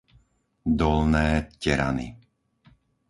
Dolné Terany